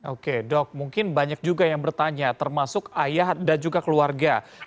oke dok mungkin banyak juga yang bertanya termasuk ayah dan juga keluarga